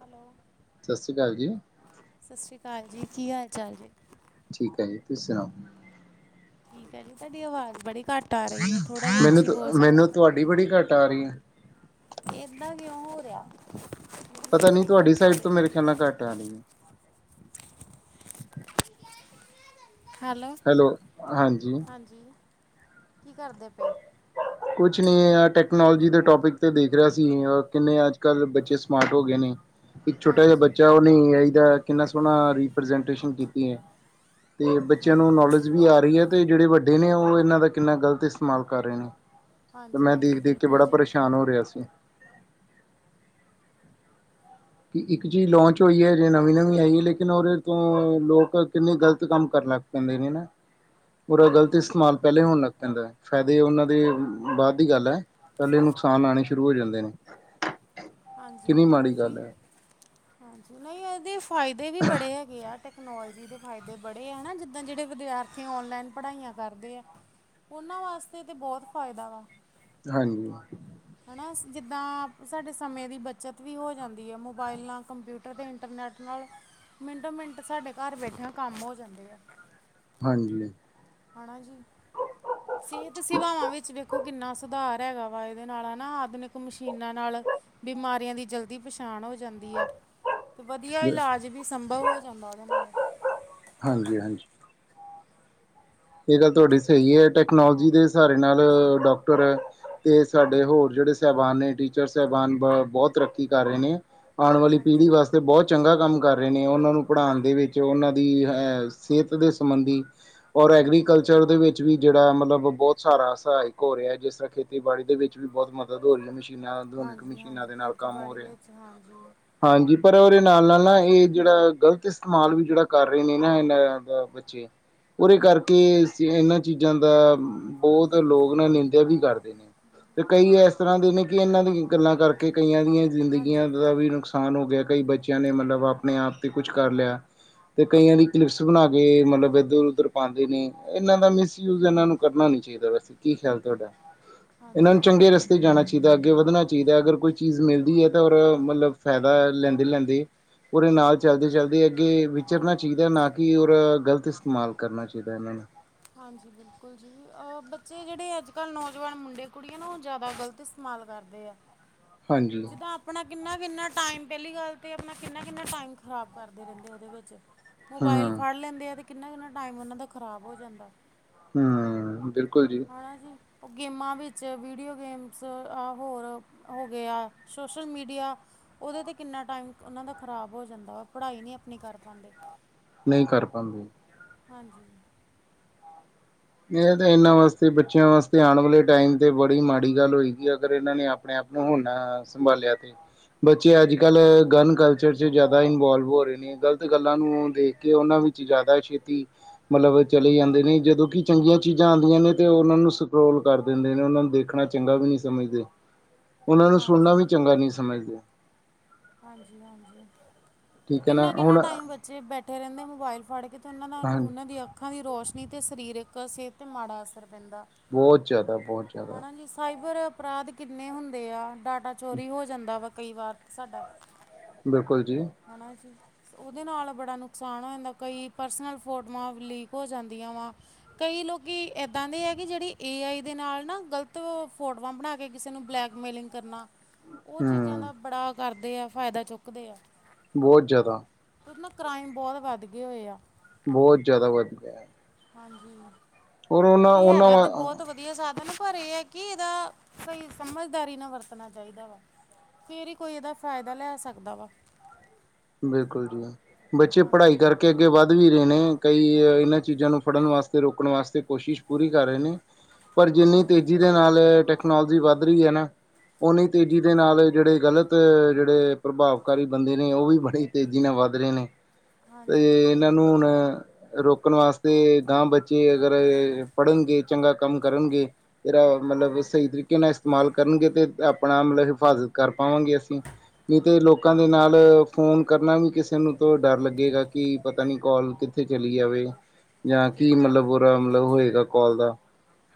Hello. ਸਾਸੀ ਕਾਲ ਜੀ। ਸਸਰੀ ਕਾਲ ਜੀ, ਕੀ ਹਾਲ-ਚਾਲ ਜੇ? ਠੀਕ ਐ ਜੀ, ਤੁਸੀ ਸੁਨਾਓ। ਠੀਕ ਐ ਜੀ, ਤਾਡੀ ਵਾਜ਼ ਬੜੀ ਘੱਟ ਆ ਰਈ ਐ, ਥੋੜਾ ਜੇਆ ਮੈਨੂੰ ਉੱਚੀ ਬੋਲ ਸਕਦੇ ਓ। [unintelligible] ਬੜੀ ਘੱਟ ਆ ਰੀ ਐ। ਏਦਾਂ ਕਿਓਂ ਹੋ ਰੇਆ। ਪਤਾ ਨੀ ਤੋਆਡੀ ਸਾਈਡ ਤੋਂ ਮੇਰੇ ਤੁਹਾਡੀ ਖੇਆਲ ਨਾਲ ਆਵਾਜ਼ ਘੱਟ ਆ ਰੀ ਐ। ਹੈਲੋ। ਹੈਲੋ, ਹਾਂਜੀ। ਹਾਂਜੀ, ਕੀ ਕਾਰਦੇ ਪਏ? ਕੁਛ ਨੀ ਐ ਟੈਕਨੋਲੋਜੀ ਦੇ ਟੋਪਿਕ ਤੇ ਦੇਖ ਰੇਆ ਸੀ ਅ ਕਿੰਨੇ ਅੱਜ-ਕੱਲ ਬੱਚੇ ਸਮਾਰਟ ਹੋਗੇ ਨੇ ਇੱਕ ਛੋਟਾ ਜੇਆ ਹਾਂਜੀ ਬੱਚਾ, ਓਨੇ ਏ ਆਈ ਦਾ ਕਿੰਨਾ ਸੋਨਾ ਰੀਪ੍ਰਜੈਂਟ ਕੀਤੀ ਏ। ਤੇ ਬੱਚੇਆਂ ਨੂੰ ਹਾਂਜੀ ਨੌਲੇਜ ਵੀ ਆ ਰੀ ਐ, ਤੇ ਜੇੜੇ ਵੱਡੇ ਨੇ ਓ ਇਨਾਂ ਦਾ ਕਿੰਨਾ ਗ਼ਲਤ ਇਸਤੇਮਾਲ ਕਰ ਰੇ ਨੇ, ਤੇ ਹਾਂਜੀ ਮੈਂ ਹਾਂਜੀ ਦੇਖ-ਦੇਖ ਕੇ ਬਿਲਕੁਲ ਬੜਾ ਜੀ ਪਰੇਸ਼ਾਨ ਹੋ ਰੇਆ ਸੀ। ਕਿ ਇੱਕ ਚੀਜ਼ ਲੌਂਚ ਹੋਈ ਏ ਹਜੇ ਨਵੀਂ-ਨਵੀਂ ਆਈ ਏ ਲੇਕਿਨ ਓਦੇ ਤੋਂ ਲੋਕ ਕਿੰਨੇ ਗ਼ਲਤ ਕੰਮ ਕਰਨਾ ਪੈਂਦੇ ਨੇ ਨਾ, ਪੂਰਾ ਹਾਂਜੀ ਗ਼ਲਤ ਇਸਤੇਮਾਲ ਪੈਲੇ ਹੋਨ ਲੱਗ ਪੈਂਦੈ, ਫਾਏਦੇ ਓਨਾਂ ਦੇ ਬਾਦ ਦੀ ਗੱਲ ਐ। ਪੈਲੇ ਨੁਕਸਾਨ ਆਨੇ ਸ਼ੁਰੂ ਹੋ ਜਾਂਦੇ ਨੇ। ਹਾਂਜੀ, ਕਿੰਨੀ ਬਿਲਕੁਲ ਮਾੜੀ ਜੀ। ਗੱਲ ਹੈ ਹਾਂਜੀ, ਨਈਂ ਐਦੇ ਫਾਏਦੇ ਵੀ ਬੜੇ ਹੈਗੇ ਆ। ਟੈਕਨੋਲਜੀ ਦੇ ਫਾਏਦੇ ਬੜੇ ਆ, ਜਿੱਦਾਂ ਜੇੜੇ ਵਿਦਿਆਰਥੀ ਔਨਲਾਈਨ ਪੜਾਈਆਂ ਕਾਰਦੇ ਐ। ਓਨਾਂ ਵਾਸਤੇ ਤੇ ਬੋਤ ਫਾਏਦਾ ਵਾ। ਹਾਂਜੀ। ਹਨਾ, ਜਿੱਦਾਂ ਸਾਡੇ ਸਮੇਂ ਦੀ ਬੱਚਤ ਵੀ ਹੋ ਜਾਂਦੀ ਆ, ਮੋਬਾਇਲ ਨਾਲ ਕੰਪਯੂਟਰ ਤੇ ਇੰਟਰਨੈੱਟ ਨਾਲ ਮਿੰਟੋ ਮਿੰਟ ਸਾਡੇ ਘਰ ਬੈਠੇਆਂ ਕੰਮ ਹੋ ਜਾਂਦੇ ਆ। ਹਾਂਜੀ। ਹਣਾ ਜੀ। [inaudible] ਸੇਤ ਸੇਵਾਵਾਂ ਵਿੱਚ ਵੇਖੋ ਕਿੰਨਾ ਸੁਧਾਰ ਹੈਗਾ ਵਾ ਐਦੇ ਨਾਲ ਹਣਾ ਆਦਮਿਕ ਮਸ਼ੀਨਾਂ ਨਾਲ ਬਿਮਾਰੀਆਂ ਦੀ ਜਲਦੀ ਪਛਾਣ ਹੋ ਜਾਂਦੀ ਆ। ਤੇ ਵਧੀਆ ਇਲਾਜ ਵੀ ਸੰਭਵ ਹੋ ਜਾਂਦਾ ਓਦੇ ਨਾਲ। ਹਾਂਜੀ-ਹਾਂਜੀ। ਏ ਗੱਲ ਤੁਆਡੀ ਸਈ ਏ, ਟੈਕਨੋਲੋਜੀ ਦੇ ਸਾਰੇ ਨਾਲ ਡੋਕਟਰ ਤੇ ਸਾਡੇ ਹੋਰ ਜੇੜੇ ਸੈਬਾਨ ਨੇ, ਟੀਚਰ ਸੈਬਾਨ ਬ ਬੋਤ ਤਰੱਕੀ ਕਰ ਰੇ ਨੇ। ਆਨ ਵਾਲੀ ਪੀੜੀ ਹਾਂਜੀ ਵਾਸਤੇ ਬੋਤ ਚੰਗਾ ਕਾੰਮ ਕਰ ਰੇ ਨੇ, ਓਨਾਂ ਨੂੰ ਪੜਾਨ ਦੇ ਵਿੱਚ, ਓਨਾਂ ਦੀ ਐ ਸੇਤ ਦੇ ਸੰਬੰਧੀ ਔਰ ਐਗਰੀਕਲਚਰ ਦੇ ਵੇੱਚ ਵੀ ਜੇੜ ਮਤਲਬ ਬੋਤ ਸਾਰਾ ਸਹਾਏਕ ਹੋ ਰੇਐ, ਜਿਸ ਤਰਾਂ ਖੇਤੀਬਾੜੀ ਦੇ ਵੇੱਚ ਵੀ ਬੋਤ ਮਦਦ ਹੋ ਰੀ ਐ ਮਿਸ਼ [unintelligible] ਆਧੁਨਿਕ ਹਾਂਜੀ ਮਸ਼ੀਨਾਂ ਹਾਂਜੀ ਦੇ ਨਾਲ ਕਾੰਮ ਹੋ ਖੇਤੀਬਾੜੀ ਰੇਐ। ਵਿੱਚ ਹਾਂਜੀ ਹਾਂਜੀ, ਪਰ ਓਦੇ ਨਾਲ-ਨਾਲ ਨਾ ਏ ਜੇੜਾ ਗ਼ਲਤ ਇਸਤੇਮਾਲ ਵੀ ਜੇੜਾ ਕਾੱਰ ਰੇ ਨੇ ਨਾ, ਏਨਾਂ ਬੱਚੇ ਓਦੇ ਕਾਰਕੇ ਇਨਾਂ ਚੀਜ਼ਾਂ ਦਾ ਬੋਤ ਲੋਗ ਨਾ ਨਿੰਦਿਆ ਵੀ ਕਾਰਦੇ ਨੇ। ਤੇ ਕਈ ਇਸ ਤਰ੍ਹਾਂ ਦੇ ਨੇ, ਕਿ ਇਹਨਾਂ ਦੀ ਗੱਲਾਂ ਕਰਕੇ ਕਈਆਂ ਦੀਆਂ ਹਾਂਜੀ ਜ਼ਿੰਦਗੀਆਂ ਦਾ ਵੀ ਨੁਕਸਾ ਸਾਨ ਹੋ ਗਿਆ, ਕਈ ਬੱਚਿਆਂ ਨੇ ਮਤਲਬ ਆਪਣੇ ਆਪ ਤੇ ਕੁਛ ਕਰ ਲਿਆ। ਤੇ ਕਈਆਂ ਦੀ ਕਲਿਪਸ ਬਣਾ ਕੇ ਮਤਲਬ ਇੱਧਰ- ਉੱਧਰ ਨੇ ਇਹਨਾਂ ਦਾ ਮਿਸਯੂਜ ਇਹਨਾਂ ਨੂੰ ਕਰਨਾ ਨੀ ਚਾਹੀਦਾ, ਵੈਸੇ ਕੀ ਖਿਆਲ ਤੁਹਡਾ? ਇਹਨਾਂ ਹਾਂਜੀ ਨੂੰ ਚੰਗੇ ਹਾਂਜੀ ਰਸਤੇ ਜਾਣਾ ਚਾ ਹੀਦਾ, ਦਾ ਅੱਗੇ ਵੱਧਣਾ ਚਾਹੀਦਾ, ਅਗਰ ਕੋਈ ਚੀਜ਼ ਮਿਲਦੀ ਏ ਤਾਂ ਉਰ ਮਤਲਬ ਫਾਇਦਾ ਲੈਂਦੇ -ਲੈਂਦੇ ਪੂਰੇ ਨਾਲ ਚੱਲਦੇ- ਚੱਲਦੇ ਅੱਗੇ ਚਾਹੀਦਾ, ਨਾ ਕਿ ਉਹਦਾ ਗਲਤ ਇਸਤੇਮਾਲ ਕਰਨਾ ਚਾਹੀਦਾ ਇਹਨਾਂ ਨੂੰ। ਹਾਂਜੀ ਬਿਲਕੁਲ ਜੀ। ਅ ਬੱਚੇ ਜਿਹੜੇ ਅੱਜ ਕੱਲ੍ਹ ਨੌਜਵਾਨ ਮੁੰਡੇ ਕੁੜੀਆ ਨਾ ਉਹ ਜ਼ਿਆਦਾ ਗਲਤ ਇਸਤੇਮਾਲ ਕਰਦੇ ਆ। ਹਾਂਜੀ ਜਿੱਦਾਂ ਆਪਣਾ ਕਿੰਨਾ- ਕਿੰਨਾ ਟਾਈਮ ਪਹਿਲੀ ਗੱਲ ਤੇ ਆਪਣਾ ਕਿੰਨਾ- ਕਿੰਨਾ ਟਾਈਮ ਖਰਾਬ ਕਰਦੇ ਰਹਿੰਦੇ ਉਹਦੇ ਵਿੱਚ। ਮੋਬਾਇਲ ਹਾਂ ਫੜ ਲੈਂਦੇ ਆ ਅਤੇ ਕਿੰਨਾ- ਕਿੰਨਾ ਟਾਈਮ ਉਹਨਾਂ ਦਾ ਖ਼ਰਾਬ ਹੋ ਜਾਂਦਾ। ਹਮ ਬਿਲਕੁਲ ਜੀ। ਹੈਂਜੀ, ਉਹ ਗੇਮਾਂ ਵਿੱਚ, ਵੀਡੀਓ ਗੇਮਸ ਆ ਹੋਰ ਹੋ ਗਿਆ। ਸੋਸ਼ਲ ਮੀਡੀਆ ਉਹਦੇ ਤੇ ਕਿੰਨਾ ਟਾਈਮ ਉਹਨਾਂ ਦਾ ਖ਼ਰਾਬ ਹੋ ਜਾਂਦਾ, ਉਹ ਪੜ੍ਹਾਈ ਨਹੀਂ ਆਪਣੀ ਕਰ ਪਾਉਂਦੇ। ਨਹੀਂ ਕਰ ਪਾਂਦੇ। ਹਾਂਜੀ। ਇਹ ਤਾਂ ਇਹਨਾਂ ਵਾਸਤੇ ਬੱਚਿਆਂ ਵਾਸਤੇ, ਆਉਣ ਵਾਲੇ ਟਾਈਮ ਤੇ ਬੜੀ ਮਾੜੀ ਗੱਲ ਹੋਏਗੀ। ਅਗਰ ਇਹਨਾਂ ਨੇ ਆਪਣੇ ਆਪ ਨੂੰ ਹੁਣ ਨਾ ਸੰਭਾਲਿਆ ਤੇ। ਬੱਚੇ ਅੱਜ ਕੱਲ੍ਹ ਗਨ ਕਲਚਰ 'ਚ ਜ਼ਿਆਦਾ ਇਨਵੋਲਵ ਹੋ ਰਹੇ ਨੇ। ਗਲਤ ਗੱਲਾਂ ਨੂੰ ਦੇਖ ਕੇ ਉਹਨਾਂ ਵਿੱਚ ਜ਼ਿਆਦਾ ਛੇਤੀ ਮਤਲਬ ਚਲੇ ਜਾਂਦੇ ਨੇ, ਜਦੋਂ ਕਿ ਚੰਗੀਆਂ ਚੀਜ਼ਾਂ ਆਉਂਦੀਆਂ ਨੇ ਤੇ ਉਹ ਉਹਨਾਂ ਨੂੰ ਸਕਰੋਲ ਕਰ ਦਿੰਦੇ ਨੇ, ਉਹਨਾਂ ਨੂੰ ਦੇਖਣਾ ਚੰਗਾ ਵੀ ਨਹੀਂ ਸਮਝਦੇ। ਉਹਨਾ ਨੂੰ ਸੁਣਨਾ ਵੀ ਹਾਂਜੀ ਚੰਗਾ ਨਹੀਂ ਸਮਝਦੇ। ਹਾਂਜੀ -ਹਾਂਜੀ, ਠੀਕ ਹੈ ਨਾ ਕਿੰਨਾ -ਕਿੰਨਾ ਹੁਣ ਟਾਈਮ ਬੱਚੇ ਬੈਠੇ ਰਹਿੰਦੇ ਮੋਬਾਇਲ ਫੜ ਕੇ। ਅਤੇ ਉਹਨਾਂ ਦਾ ਹਾਂਜੀ ਉਹਨਾਂ ਦੀ ਅੱਖਾਂ ਦੀ ਰੋਸ਼ਨੀ ਅਤੇ ਸਰੀਰਕ ਸਿਹਤ 'ਤੇ ਮਾੜਾ ਅਸਰ ਪੈਂਦਾ। ਬਹੁਤ ਜ਼ਿਆਦਾ ਬਹੁਤ ਜ਼ਿਆਦਾ ਹਨਾ ਜੀ, ਸਾਇਬਰ ਅਪਰਾਧ ਕਿੰਨੇ ਹੁੰਦੇ ਆ, ਡਾਟਾ ਚੋਰੀ ਹੋ ਜਾਂਦਾ ਵਾ ਕਈ ਵਾਰ ਤੇ ਸਾਡਾ। ਬਿਲਕੁਲ ਜੀ। ਹਨਾ ਜੀ। ਉਹਦੇ ਨਾਲ ਬੜਾ ਨੁਕਸਾਨ ਹੋ ਜਾਂਦਾ, ਕਈ ਪਰਸਨਲ ਫੋਟੋਆਂ ਲੀਕ ਹੋ ਜਾਂਦੀਆਂ ਵਾ। ਕਈ ਲੋਕੀ ਇੱਦਾਂ ਦੇ ਹੈ ਕਿ ਜਿਹੜੀ ਏ ਆਈ ਦੇ ਨਾਲ ਨਾ ਗ਼ਲਤ ਫੋਟੋਆਂ ਬਣਾ ਕੇ ਕਿਸੇ ਨੂੰ ਬਲੈਕ ਮੇਲਿੰਗ ਕਰਨਾ। [inaudible] ਉਹ ਚੀਜ਼ਾਂ ਦਾ ਬੜਾ ਕਰਦੇ ਆ, ਫਾਇਦਾ ਚੁੱਕਦੇ ਆ। ਬਹੁਤ ਜ਼ਿਆਦਾ। ਉਹਦੇ ਨਾਲ ਕ੍ਰਾਈਮ ਬਹੁਤ ਵੱਧ ਗਏ ਹੋਏ ਆ। ਬਹੁਤ ਜਿਆਦਾ ਵੱਧ ਗੇ। ਹਾਂਜੀ, ਇਹ ਉਹਨਾਂ ਹੈਗਾ ਤੇ ਬਹੁਤ ਵਧੀ ਵੀ ਇਹ ਸਾਧਨ, ਪਰ ਇਹ ਹੈ ਕਿ ਇਹਦਾ ਸਹੀ ਸਮਝਦਾਰੀ ਨਾ ਵਰਤਣਾ ਚਾਹੀਦਾ ਵਾ। ਫੇਰ ਹੀ ਕੋਈ ਇਹਦਾ ਫ਼ਾਇਦਾ ਲੈ ਸਕਦਾ ਵਾ। ਬਿਲਕੁਲ ਜੀ, ਬੱਚੇ ਪੜ੍ਹਾਈ ਹਾਂਜੀ ਕਰਕੇ ਅੱਗੇ ਵੱਧ ਵੀ ਰਹੇ ਨੇ, ਕਈ ਇਹਨਾਂ ਚੀਜ਼ਾਂ ਨੂੰ ਫੜਨ ਵਾਸਤੇ, ਰੋਕਣ ਵਾਸਤੇ ਕੋਸ਼ਿਸ਼ ਪੂਰੀ ਕਰ ਰਹੇ ਨੇ, ਪਰ ਜਿੰਨੀ ਹਾਂਜੀ ਤੇਜ਼ੀ ਦੇ ਨਾਲ ਟੈਕਨੋਲੋਜੀ ਵੱਧ ਰਹੀ ਹੈ ਨਾ ਉਨੀ ਤੇਜ਼ੀ ਦੇ ਨਾਲ ਜੇੜੇ ਗਲਤ ਜੇੜੇ ਪ੍ਰਭਾਵਕਾਰੀ ਬੰਦੇ ਨੇ ਉਹ ਵੀ ਬੜੇ ਤੇਜ਼ੀ ਨਾਲ ਵੱਧ ਰਹੇ ਨੇ, ਹਾਂਜੀ ਤੇ ਬਿਲਕੁਲ ਇਨਾਂ ਨੂੰ ਹੁਨ ਰੋਕਨ ਵਾਸਤੇ ਗਾਹ ਬੱਚੇ ਅਗਰ ਪੜ੍ਹਨਗੇ, ਚੰਗਾ ਕੰਮ ਕਰਨਗੇ। ਇਹਦਾ ਮਤਲਬ ਸਹੀ ਤਰੀਕੇ ਨਾਲ ਇਸਤੇਮਾਲ ਕਰਨਗੇ ਤੇ ਆਪਨਾ ਮਤਲਬ ਹਿਫਾਜ਼ਤ ਕਰ ਪਾਵਾਂਗੇ ਅਸੀ। ਨੀ ਤੇ ਲੋਕਾਂ ਦੇ ਹਾਂਜੀ ਨਾਲ ਫੋਨ ਕਰਨਾ ਵੀ ਕਿਸੇ ਨੂੰ ਤਾਂ ਡਰ ਲੱਗੇਗਾ ਕਿ ਪਤਾ ਨਹੀਂ ਕੌਲ ਕਿੱਥੇ ਚਲੀ ਜਾਵੇ। ਜਾਂ ਕੀ ਮਤਲਬ ਓਰਾ ਮਤਲਬ ਹੋਏਗਾ ਕੌਲ ਦਾ।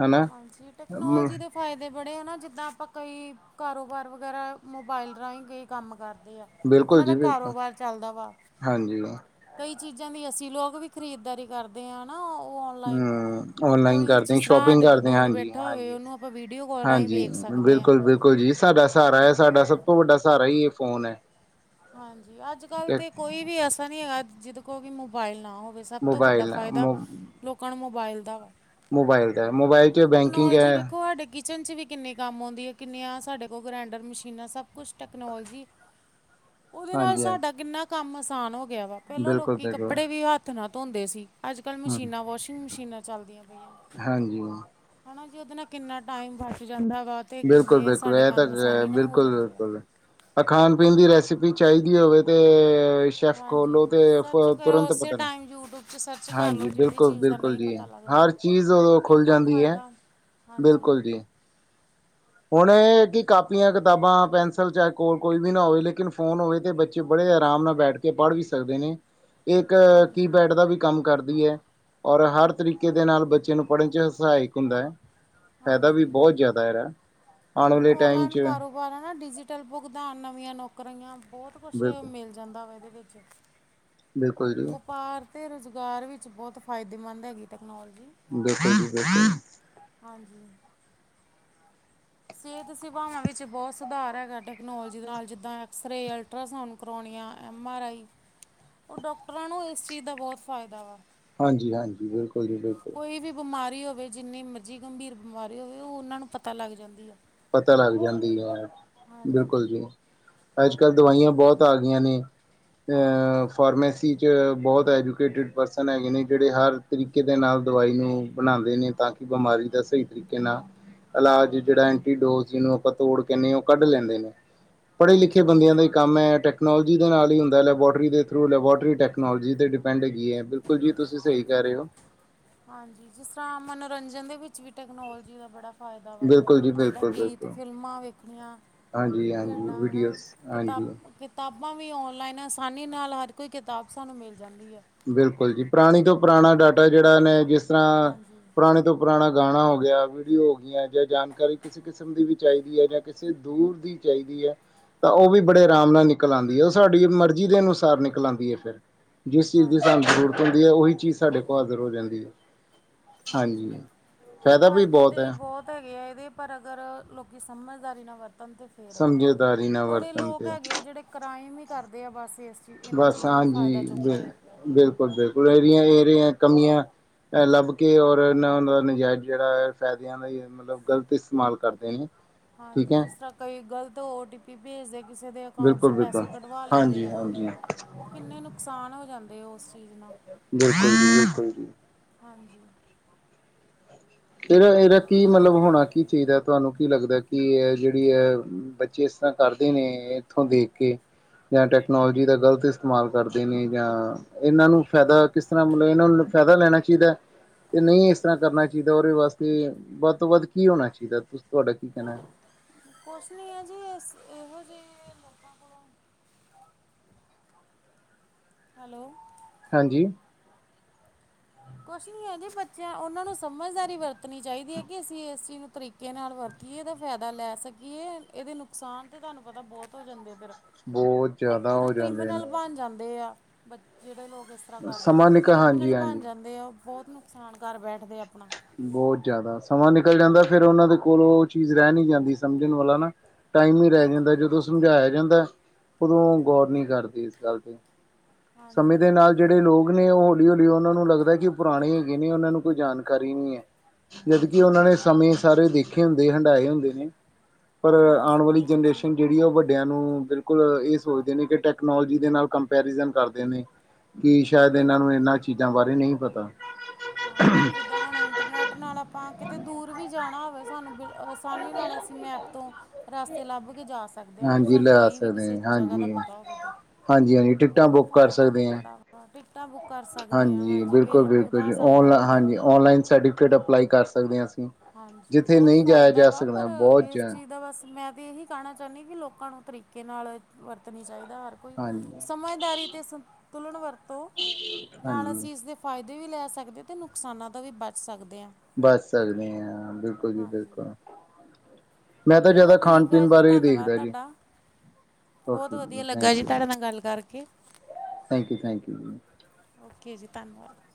ਹਨਾ ਹਾਂਜੀ ਟੈਕਨੋਲਜੀ ਦੇ ਫਾਇਦੇ ਬੜੇ ਆ ਨਾ ਜਿੱਦਾਂ ਆਪਾਂ ਕਈ ਕਾਰੋਬਾਰ ਵਗੈਰਾ ਮੋਬਾਈਲ ਰਾਹੀਂ ਕਈ ਕੰਮ ਕਰਦੇ ਆ। ਬਿਲਕੁਲ ਓਨਾਂ ਦਾ ਜੀ ਬਿਲਕੁਲ ਕਾਰੋਬਾਰ ਚੱਲਦਾ ਵਾ। ਹਾਂਜੀ ਕਈ ਚੀਜ਼ਾਂ ਦੀ ਅਸੀਂ ਲੋਕ ਵੀ ਖਰੀਦਦਾਰੀ ਕਰਦੇ ਹਾਂ ਨਾ ਉਹ ਔਨਲਾਈਨ ਹਮ ਤੇ ਔਨਲਾਈਨ ਕੋਈ ਕਰਦੇ ਜਿਸ ਤਰ੍ਹਾਂ ਸ਼ੋਪਿੰਗ ਸਾਡੇ ਤੋਂ ਕਰਦੇ ਦੂਰ ਹਾਂਜੀ- ਬੈਠਾ ਹੋਵੇ ਹਾਂਜੀ- ਉਹਨੂੰ ਆਪਾਂ ਵੀਡੀਓ ਕਾਲ ਰਾਹੀਂ ਹਾਂਜੀ, ਵੇਖ ਸਕਦੇ ਹਾਂ ਬਿਲਕੁਲ- ਬਿਲਕੁਲ ਜੀ ਸਾਡਾ ਉਹ ਸਹਾਰਾ ਐ ਵੀ ਬਹੁਤ ਸਾਡਾ ਸਭ ਤੋ ਵੱਡਾ ਸਹਾਰਾ ਇ ਏਹ ਫੋਨ ਐ। ਹਾਂਜੀ ਅੱਜ ਕੱਲ੍ਹ ਤੇ ਕੋਈ ਵੀ ਐਸਾ ਨੀ ਹੈਗਾ ਜਿਦ ਕੋਲ ਵੀ ਮੋਬਾਈਲ ਨਾ ਹੋਵੇ। ਸਭ ਤੋਂ ਵੱਡਾ ਮੋਬਾਇਲ ਫਾਇਦਾ ਲੋਕਾਂ ਨੂੰ ਮੋਬਾਇਲ ਦਾ ਵਾ। ਮੋਬਾਈਲ ਦੇ ਮੋਬਾਈਲ ਟੈਕਨੋਲਜੀ ਵੇਖੋ ਸਾਡੇ ਕੀ ਚਨ 'ਚ ਵੀ ਕਿੰਨੀ ਕੰਮ ਆਉਂਦੀ ਹੈ ਕਿੰਨੀਆਂ ਸਾਡੇ ਕੋਲ ਗਰੈਂਡਰ ਮਸ਼ੀਨਾਂ ਸਭ ਕੁਛ ਟੈਕਨੋਲਜੀ। [inaudible] ਓਦੇ ਨਾਲ ਸਾਡਾ ਹਾਂਜੀ ਕਿੰਨਾ ਕੰਮ ਆਸਾਨ ਹੋ ਗਿਆ ਵਾ ਪਹਿਲਾਂ ਬਿਲਕੁਲ ਲੋਕੀ ਬਿਲਕੁਲ ਕੱਪੜੇ ਵੀ ਹੱਥ ਨਾਲ ਧੋਂਦੇ ਸੀ। ਅੱਜ ਕੱਲ੍ਹ ਹ ਮਸ਼ੀਨਾਂ ਵਾਸ਼ਿੰਗ ਮਸ਼ੀਨਾਂ ਚੱਲਦੀਆਂ ਪਈਆਂ। ਹਾਂਜੀ। ਹਨਾ ਜੀ ਓਦੇ ਨਾਲ ਕਿੰਨਾ ਟਾਈਮ ਬਚ ਜਾਂਦਾ ਗਾ। ਬਿਲਕੁਲ-ਬਿਲਕੁਲ ਇਹ ਤਾਂ ਗ ਜਾਂਦੇ ਆ ਬਿਲਕੁਲ-ਬਿਲਕੁਲ। ਖਾਨ - ਪੀਨ ਦੀ ਰੈਸਿਪੀ ਚਾਹੀਦੀ ਹੋਵੇ ਤੇ ਚੈੱਸ ਖੋਲੋ ਹਾਂਜੀ ਤੇ ਸਰਚ ਕਰੋ ਤੁਰੰਤ ਉਸੇ ਪਤਾ ਨੀ ਟਾਈਮ 'ਚ ਸਰਚ ਕਰ ਲਓ ਹਾਂਜੀ ਜਿਹੜੀ ਬਿਲਕੁਲ- ਚੀਜ਼ ਦਾ ਬਿਲਕੁਲ ਨਹੀਂ ਜੀ ਪਤਾ ਲੱਗਦਾ ਹਰ ਚੀਜ਼ ਉਦੋਂ ਖੁੱਲ ਕਿੰਨਾ ਜਾਂਦੀ ਐ। ਫਾਇਦਾ ਹਾਂਜੀ ਬਿਲਕੁਲ ਜੀ। ਹੁਨ ਇਹ ਕਿ ਕਾਪੀਆਂ ਕਿਤਾਬਾਂ ਪੈਨਸਿਲ ਚਾਹੇ ਕੋਲ ਕੋਈ ਵੀ ਨਾ ਹੋਵੇ ਲੇਕਿਨ ਫੋਨ ਹੋਵੇ ਤੇ ਬੱ ਚੇ ਬੜੇ ਆਰਾਮ ਨਾਲ ਬੈਠ ਕੇ ਪੜ੍ਹ ਵੀ ਸਕਦੇ ਨੇ ਇਹ ਇੱਕ ਹਾਂਜੀ ਕੀਪੈਡ ਦਾ ਵੀ ਕੰਮ ਕਰਦੀ ਐ। ਔਰ ਹਰ ਤਰੀਕੇ ਦੇ ਨਾਲ ਬੱਚੇ ਨੂੰ ਪੜ੍ਹਨ ਚ ਸਹਾਇਕ ਹੁੰਦਾ ਅ। ਫਾਇਦਾ ਵੀ ਹਾਂਜੀ ਬਹੁਤ ਜ਼ਿਆਦਾ ਇਹਦਾ ਆਉਣ ਹਾਂਜੀ, ਵਾਲੇ ਟਾਈਮ ਔਨਲਾਈਨ ਚ ਕਾਰੋ ਬਾਰਾ ਨਾ ਡਿਜੀਟਲ ਭੁਗਤਾਨ, ਨਵੀਆਂ ਨੌਕਰੀਆਂ ਬਹੁਤ ਕੁਛ ਬਿਲਕੁਲ ਮਿਲ ਜਾਂਦਾ ਵਾ ਇਹਦੇ ਵਿੱਚ ਬਿਲਕੁਲ ਜੀ ਵਪਾਰ ਤੇ ਰੁਜ਼ਗਾਰ ਵਿੱਚ ਬਹੁਤ ਫਾਇਦੇਮੰਦ ਹੈਗੀ ਟੈਕਨੋਲਜੀ ਬਿਲਕੁਲ ਜੀ ਬਿਲਕੁਲ। ਹਾਂਜੀ। ਸਿਹਤ ਸੇਵਾਵਾਂ ਵਿੱਚ ਬਹੁਤ ਸੁਧਾਰ ਹੈਗਾ ਟੈਕਨੋਲੋਜੀ ਦੇ ਨਾਲ ਜਿੱਦਾਂ ਐਕਸਰੇ, ਅਲ- ਟਰਾਸਾਊਂਡ ਕਰੋਨਿਆ, ਐੱਮ- ਆਰ -ਆਈ ਉਹ ਡੋਕਟਰਾਂ ਨੂੰ ਇਸ ਚੀਜ਼ ਦਾ ਬਹੁਤ ਫਾਇਦਾ ਵਾ। ਹਾਂਜੀ-ਹਾਂਜੀ, ਬਿਲਕੁਲ ਜੀ ਬਿਲਕੁਲ। ਕੋਈ ਵੀ ਬਿਮਾਰੀ ਹੋਵੇ ਜਿੰਨੀ ਮਰਜ਼ੀ ਗੰਭੀਰ ਬਿਮਾਰੀ ਹੋਵੇ ਓਹ ਓਨਾਂ ਨੂੰ ਪਤਾ ਲੱਗ ਜਾਂਦੀ ਆ। ਪਤਾ ਲੱਗ ਜਾਂਦੀ ਅ, ਹਾਂਜੀ, ਬਿਲਕੁਲ ਜੀ ਅੱਜ ਕੱਲ੍ਹ ਦਵਾਈਆਂ ਬਹੁਤ ਆ ਗਈਆਂ ਨੇ ਫਾਰਮੇਸੀ 'ਚ ਬਹੁਤ ਐਜੂਕੇਟਿਡ ਪਰਸਨ ਹੈਗੇ ਨੇ ਜੈੜੇ ਹਰ ਤਰੀਕੇ ਦੇ ਨਾਲ ਦਵਾਈ ਨੂੰ ਬਣਾਉਂਦੇ ਨੇ ਤਾਂ ਕਿ ਬਿਮਾਰੀ ਦਾ ਸਹੀ ਤਰੀਕੇ ਨਾਲ ਇਲਾਜ ਜੈੜਾ ਐ ਡੋਜ਼ ਜਿਹਨੂੰ ਆਪਾਂ ਤੋੜ ਕਹੇ ਉਹ ਕੱਢ ਲੈਂਦੇ ਨੇ, ਪੜੇ ਲਿਖੇ ਹਾਂਜੀ, ਬੰਦਿਆਂ ਦਾ ਹੀ ਹਾਂਜੀ। ਕੰਮ ਹੈ ਟੈਕ ਟੈਕਨੋਲੋਜੀ ਦੇ ਨਾਲ ਹੀ ਹੁੰਦਾ, ਲੈਬੋਰਟਰੀ ਦੇ ਥਰੂ ਲੈਬੋਰਟਰੀ ਟੈਕਨੋਲੋਜੀ 'ਤੇ ਡਿਪੈਂਡ ਹੈਗੀ ਹੈ ਬਿਲਕੁਲ ਜੀ ਤੁਸੀਂ ਸਹੀ ਕਹਿ ਰਹੇ ਹੋ। ਹਾਂਜੀ ਜਿਸ ਤਰ੍ਹਾਂ ਮਨੋਰੰਜਨ ਦੇ ਵਿੱਚ ਵੀ ਟੈਕਨੋਲੋਜੀ ਦਾ ਬੜਾ ਫਾਇਦਾ ਵਾ ਬਿਲਕੁਲ ਜੀ ਜਿੱਦਾਂ ਬਿਲਕੁਲ ਗੀਤ, ਬਿਲਕੁਲ ਫਿਲਮਾਂ ਵੇਖਣੀਆਂ ਹਾਂਜੀ ਹਾਂਜੀ ਖੇਡਾਂ ਹਨਾ ਵੀਡੀਓਜ਼ ਹਾਂਜੀ ਕਿਤਾਬਾਂ ਕਿਤਾਬਾਂ ਵੀ ਔਨਲਾਈਨ ਆਸਾਨੀ ਨਾਲ ਹਰ ਕੋਈ ਕਿਤਾਬ ਸਾਨੂੰ ਮਿਲ ਜਾਂਦੀ ਹੈ। ਬਿਲਕੁਲ ਜੀ ਪੁਰਾਣੀ ਤੋਂ ਪੁਰਾਣਾ ਡਾਟਾ ਜਿਹੜਾ ਨੇ ਜਿਸ ਤਰ੍ਹਾਂ ਹਾਂਜੀ ਪੁਰਾਣੇ ਤੋਂ ਪੁਰਾਣਾ ਗਾਣਾ ਹੋ ਗਿਆ, ਵੀਡੀਓ ਹੋ ਗਿਆ ਜਾਂ ਜਾਣਕਾਰੀ ਕਿਸੇ ਕਿਸਮ ਦੀ ਵੀ ਚਾਹੀਦੀ ਹੈ ਜਾਂ ਕਿਸੇ ਦੂਰ ਦੀ ਚਾਹੀਦੀ ਹੈ ਤਾਂ ਉਹ ਵੀ ਬੜੇ ਆਰਾਮ ਨਾਲ ਨਿਕਲ ਆਉਂਦੀ ਹੈ ਉਹ ਸਾਡੀ ਮਰਜ਼ੀ ਦੇ ਅਨੁਸਾਰ ਨਿਕਲ ਆਉਂਦੀ ਹੈ ਫਿਰ ਜਿਸ ਜਿਸ ਚੀਜ਼ ਦੀ ਹਾਂਜੀ ਸਾਨੂੰ ਜ਼ਰੂਰਤ ਹੁੰਦੀ ਹੈ ਉਹੀ ਚੀਜ਼ ਸਾਡੇ ਕੋਲ ਹਾਜ਼ਰ ਹੋ ਜਾਂਦੀ ਹੈ। ਹਾਂਜੀ ਫਾਇਦਾ ਵੀ ਫਾਇਦੇ ਤੇ ਹੈ ਬਹੁਤ ਹੈਗੇ ਆ ਇਹਦੇ ਪਰ ਅਗਰ ਲੋਕੀ ਸਮਝਦਾਰੀ ਨਾ ਵਰਤਣ ਤੇ ਫੇਰ ਸਮਝਦਾਰੀ ਨਾਲ ਬੜੇ ਵਰਤਣ ਲੋਕ ਤੇ ਹੈਗੇ ਆ ਜਿਹੜੇ ਕ੍ਰਾਈਮ ਹੀ ਕਰਦੇ ਆ ਬਸ ਇਸ ਚੀਜ਼ ਇਹਨਾਂ ਬਸ ਚੀਜ਼ਾਂ ਦਾ ਫਾਇਦਾ ਹਾਂਜੀ, ਚੁੱਕਦੇ ਆ ਬਿਲਕੁਲ- ਬਿਲਕੁਲ ਏਰੀਆਂ- ਏਰੀਆਂ ਕਮੀਆਂ ਇਹ ਲੱਭ ਕੇ ਔਰ ਨਾ ਇਹ ਉਹਨਾਂ ਦਾ ਨਾ ਨਜਾਇਜ਼ ਜਿਹੜਾ ਫਾਇਦਿਆਂ ਦਾ ਏ ਮਤਲਬ ਗ਼ਲਤ ਇਸਤੇਮਾਲ ਕਰਦੇ ਠੀਕ ਹਾਂਜੀ ਹੈ ਜਿਸ ਤਰ੍ਹਾਂ ਕਈ ਗਲਤ ਓ ਟੀ ਵੀ ਭੇਜਦੇ ਕਿਸੇ ਦੇ ਅਕਾਊਂਟ 'ਚ ਬਿਲਕੁਲ ਬਿਲਕੁਲ ਪੈਸੇ ਕਢਵਾ ਲੈਂਦੇ ਹਾਂਜੀ ਆ ਹਾਂਜੀ ਉਹ ਕਿੰਨੇ ਨੁਕਸਾਨ ਹੋ ਜਾਂਦੇ ਆ ਉਸ ਚੀਜ਼ ਨੂੰ ਬਿਲਕੁਲ ਜੀ ਬਿਲਕੁਲ ਜੀ। ਹਾਂਜੀ। ਕਿਹੜਾ ਇਹਦਾ ਕੀ ਮਤਲਬ ਹੋਣਾ ਕੀ ਚਾਹੀਦਾ, ਤੁਹਾਨੂੰ ਕੀ ਲੱਗਦਾ ਕੀ ਇਹ ਜਿਹੜੀ ਏ ਜਿਸ ਤਰ੍ਹਾਂ ਕਰਦੇ ਨੇ ਇੱਥੋਂ ਦੇਖ ਕੇ ਯਾ ਟੈਕਨੋਲੋਜੀ ਦਾ ਗਲਤ ਇਸਤੇਮਾਲ ਕਰਦੇ ਨੇ ਯਾ ਇਹਨਾਂ ਨੂੰ ਫਾਇਦਾ ਕਿਸ ਤਰ੍ਹਾਂ ਮਤਲਬ ਇਹਨਾਂ ਨੂੰ ਫ਼ਾਇਦਾ ਲੈਣਾ ਚਾਹੀਦਾ, ਤੇ ਨਹੀਂ ਇਸ ਤਰ੍ਹਾਂ ਕਰਨਾ ਚਾਹੀਦਾ। ਤੇ ਔਦੇ ਵਾਸਤੇ ਵੱਧ ਤੋਂ ਵੱਧ ਕੀ ਹੋਣਾ ਚਾਹੀਦਾ, ਤੁ ਤੁਹਾਡਾ ਕੀ ਕਹਿਣਾ। ਕੁਛ ਨ੍ਹੀਂ ਏ ਜੀ ਇਸ ਇਹੋ ਜੀ ਏ ਹੈਲੋ। ਹਾਂਜੀ। ਕੁਛ ਨੀ ਏ ਜੀ ਬੱਚਿਆਂ ਉਹਨਾਂ ਨੂੰ ਸਮਝਦਾਰੀ ਵਰਤਣੀ ਚਾਹੀਦੀ ਹੈ। ਕਿ ਅਸੀਂ ਇਸ ਚੀਜ਼ ਨੂੰ ਤਰੀਕਾ ਤਰੀਕੇ ਨਾਲ ਵਰਤੀਏ, ਇਹਦਾ ਫਾਇਦਾ ਲੈ ਸਕੀਏ, ਇਹਦੇ ਨੁਕਸਾਨ ਤਾਂ ਤੁਹਾਨੂੰ ਪਤਾ ਬਹੁਤ ਹੋ ਜਾਂਦੇ ਆ ਫਿਰ ਬਹੁਤ। ਜ਼ਿਆਦਾ ਹਨਾ ਹੋ ਜਾਂਦੇ ਕ੍ਰਿਮੀਨਲ ਬਣ ਨੇ ਜਾਂਦੇ ਆ। ਬ ਜਿਹੜੇ ਲੋਕ ਇਸ ਤਰ੍ਹਾਂ ਕਰਦੇ ਆ ਫਿਰ ਸਮਾਂ ਉਹ ਨਿਕ ਕ੍ਰਿਮੀਨਲ ਹਾਂਜੀ ਨਾਲ ਬਣ ਹਾਂਜੀ ਜਾਂਦੇ ਆ ਉਹ ਬਹੁਤ ਨੁਕਸਾਨ ਕਰ ਬੈਠਦੇ ਆਪਣਾ। ਬਹੁਤ ਜ਼ਿਆਦਾ ਸਮਾਂ ਨਿਕਲ ਜਾਂਦਾ ਫਿਰ ਉਹਨਾਂ ਦੇ ਕੋਲ ਉਹ ਚੀਜ਼ ਰਹਿ ਨੀ ਜਾਂਦੀ ਸਮਝਣ ਵਾਲਾ ਨਾ ਟਾਈਮ ਹੀ ਰਹਿ ਹਾਂਜੀ ਜਾਂਦਾ ਜਦੋਂ ਸਮਝਾਇਆ ਜਾਂਦਾ, ਉਦੋਂ ਗੌਰ ਨਹੀਂ ਕਰਦੀ ਇਸ ਗੱਲ ਤੇ ਸਮਯ ਹਾਂਜੀ ਦੇ ਨਾਲ ਜਿਹੜੇ ਲੋਕ ਨੇ ਉਹ ਹੌਲੀ- ਹੌਲੀ ਉਹਨਾਂ ਨੂੰ ਲੱਗਦਾ ਕਿ ਪੁਰਾਣੇ ਈ ਹੈਗੇ ਨੇ ਉਹਨਾਂ ਨੂੰ ਕੋਈ ਜਾਣਕਾਰੀ ਨਹੀਂ ਏ ਜਦਕਿ ਹਾਂਜੀ ਉਹਨਾਂ ਨੇ ਹਾਂਜੀ ਸਮਯ ਸਾਰੇ ਦੇਖੇ ਹੁੰਦੇ ਹੰਢਾਏ ਹੁੰਦੇ ਨੇ ਪਰ ਹਾਂਜੀ ਆਉਣ ਵਾਲੀ ਬਿਲਕੁਲ ਜੀ ਜਨਰੇਸ਼ਨ ਜਿਹੜੀ ਐ ਉਹ ਵੱਡੀ ਵੱਡਿਆਂ ਨੂੰ ਬਿਲਕੁਲ ਇਹ ਸੋਚਦੇ ਨੇ ਕਿ ਟੈਕਨੋਲੋਜੀ ਦੇ ਨਾਲ ਕੰਪੈਰੀਜ਼ਨ ਕਰਦੇ ਨੇ ਕਿ ਸ਼ਾਇਦ ਹਾਂਜੀ ਇਹਨਾਂ ਨੂੰ ਇਹਨਾਂ ਚੀਜ਼ਾਂ ਬਾਰੇ ਨਹੀਂ ਪਤਾ। ਹਾਂਜੀ, ਜਿੱਦਾਂ ਹੁਣ ਇੰਟਰਨੈਟ ਨਾਲ ਆਪਾਂ ਕਿਤੇ ਦੂਰ ਵੀ ਜਾਣਾ ਹੋਵੇ ਸਾਨੂੰ ਬਿਲ ਆਸਾਨੀ ਨਾਲ ਅਸੀਂ ਮੈਪ ਤੋਂ ਰਸਤੇ ਲੱਭ ਕੇ ਜਾ ਸਕ ਸਕਦੇ ਆ, ਅਗਰ ਹਾਂਜੀ ਸਾਨੂੰ ਲੈ ਨਹੀਂ ਵੀ ਸਕਦੇ ਕਿਸੇ ਨੇ ਜਗ੍ਹਾ ਦਾ ਹਾਂਜੀ ਪਤਾ ਹੋਵੇ ਤੇ ਹਾਂਜੀ ਹਾਂਜੀ ‌। ਟਿਕਟਾਂ ਬਹੁਤ ਬੁੱਕ ਕਰ ਫਾਇਦਾ ਸਕਦੇ ਹਾਂ ਬੜਾ ਵਾ ਟਿਕਟਾਂ ਬੁੱਕ ਕਰ ਸਕਦੇ ਹਾਂ ਹਾਂਜੀ, ਬਿੱਲ ਭ ਉਣ ਹਾਂਜੀ ਉਣਲਾਈਨ ਸਰਟੀਫਿਕੇਟ ਅਪਲਾਈ ਸਕਦੇ ਹਾਂ ਅਸੀਂ। ਹਾਂਜੀ ਜਿੱਥੇ ਬਹੁਤ ਨਹੀਂ ਜਾਇਆ ਫਾਇਦਾ ਜਾ ਵਾ, ਪਰ ਸਕਦਾ ਬਹੁਤ ਇਸ ਜਾ ਚੀਜ਼ ਤਾਂ ਬਸ ਮੈਂ ਤੇ ਇਹੀ ਕਹਿਣਾ ਚਾਹੁੰਦੀ ਹਾਂ, ਕੀ ਲੋਕਾਂ ਨੂੰ ਤਰੀਕੇ ਨਾਲ ਵਰਤਣੀ ਚਾਹੀਦਾ ਹਰ ਕੋਈ ਹਾਂਜੀ ਸਮਝਦਾਰੀ ਤੇ ਸੰਤੁਲਨ ਵਰਤੋ, ਨਾਲ ਹਾਂਜੀ ਅਸੀਂ ਇਸਦੇ ਫਾਇਦੇ ਵੀ ਲੈ ਸਕਦੇ ਤੇ, ਨੁਕਸਾਨਾਂ ਤੋਂ ਵੀ ਬਚ ਸਕਦੇ ਆ। ਬਚ ਸਕਦੇ ਆ, ਬਿਲਕੁਲ ਜੀ ਬਿਲਕੁਲ। ਮੈਂ ਤਾਂ ਚਲੋ ਜ਼ਿਆਦਾ ਖਾਣ ਠੀਕ ਆ ਪੀਣ ਜੀ ਬਾਰੇ ਹੀ ਧੰਨਵਾਦ ਦੇਖਦਾ ਜੀ। ਤੁਹਾਡਾ ਬਹੁਤ ਓਕੇ ਜੀ, ਵਧੀਆ ਥੈਂਕ ਲੱਗਾ ਤੁਹਾਡੇ ਨਾਲ ਗੱਲ ਕਰਕੇ ਯੂ-ਥੈਂਕ ਯੂ-ਥੈਂਕ ਯੂ ਜੀ। ਓਕੇ ਜੀ ਧੰਨਵਾਦ।